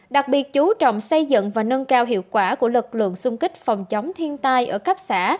đặc biệt chú trọng xây dựng và nâng cao hiệu quả của lực lượng xung kích phòng chống thiên tai ở cấp xã